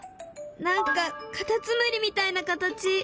何かカタツムリみたいな形。